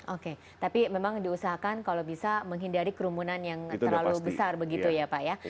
oke tapi memang diusahakan kalau bisa menghindari kerumunan yang terlalu besar begitu ya pak ya